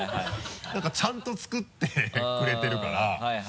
なんかちゃんと作ってくれてるから。